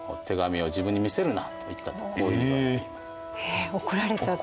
えっ怒られちゃった。